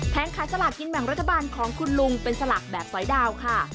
แพ้งค้าสลักกินแหม่งรัฐบาลของคุณลุงเป็นสลักแบบสอยดาวค่ะ